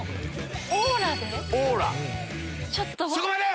そこまで！